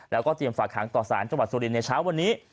แล้วก็เตรียมฝากหางต่อสารจังหวัดสุรินในเช้าวันนี้